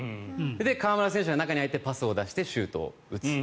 河村選手が中に入ってパスを出してシュートを打つ。